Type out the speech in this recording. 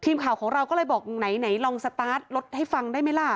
ทีมข่าวของเราก็เลยบอกไหนลองสตาร์ทรถให้ฟังได้ไหมล่ะ